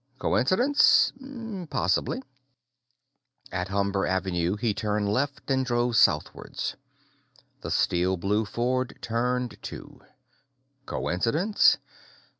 Coincidence? Possibly. At Humber Avenue, he turned left and drove southwards. The steel blue Ford turned, too. Coincidence?